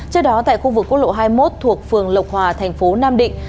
trước đó tại khu vực quốc lộ hai mươi một thuộc phường lộc hòa thành phố nam định